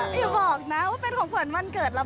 อย่าบอกนะว่าเป็นของขวัญวันเกิดเรา